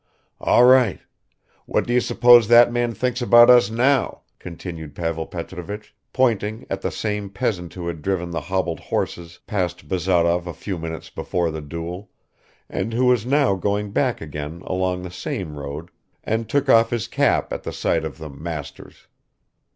"All right. What do you suppose that man thinks about us now?" continued Pavel Petrovich, pointing at the same peasant who had driven the hobbled horses past Bazarov a few minutes before the duel, and who was now going back again along the same road and took off his cap at the sight of the "masters."